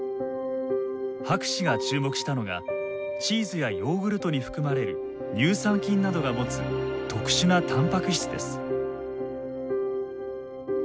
博士が注目したのがチーズやヨーグルトに含まれる乳酸菌などが持つ特殊なたんぱく質です。